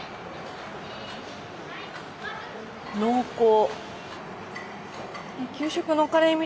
濃厚。